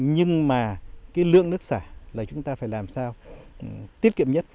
nhưng mà lượng nước sả là chúng ta phải làm sao tiết kiệm nhất